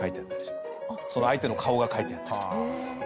その相手の顔が描いてあったりとか。